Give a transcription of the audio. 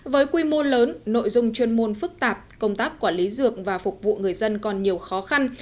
với quy mô lớn nội dung chuyên môn phức tạp công tác quản lý dược và phục vụ người dân còn nhiều khó khăn